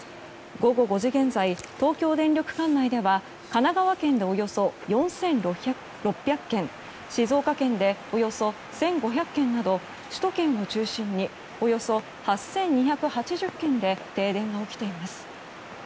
午後５時現在東京電力管内では神奈川県でおよそ４６００軒静岡県でおよそ１５００軒など首都圏を中心におよそ８２８０軒で停電が起きています。